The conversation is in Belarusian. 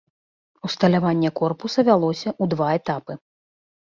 Усталяванне корпуса вялося ў два этапы.